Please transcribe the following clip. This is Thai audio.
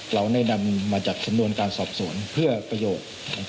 เราได้นำมาจากสำนวนการสอบสวนเพื่อประโยชน์